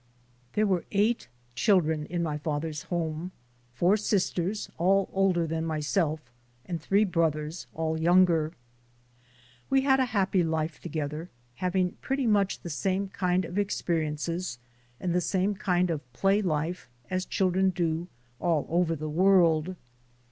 There were eight children in my father's home, four sisters, all older than myself, and three broth ers, all younger. We had a happy life together, having pretty much the same kind of experiences and the same kind of play life as children do all over the world.